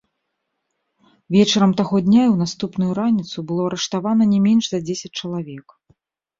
Вечарам таго дня і ў наступную раніцу было арыштавана не менш за дзесяць чалавек.